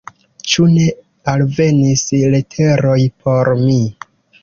Ĉu ne alvenis leteroj por mi?